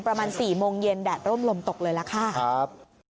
ประมาณ๔โมงเย็นแดดร่มลมตกเลยล่ะค่ะครับ